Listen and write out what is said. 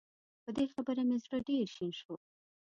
په دې خبره مې زړه ډېر شين شو